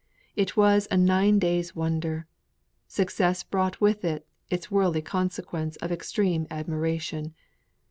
It was a nine days' wonder. Success brought with it its worldly consequence of extreme admiration.